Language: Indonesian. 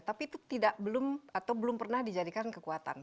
tapi itu belum atau belum pernah dijadikan kekuatan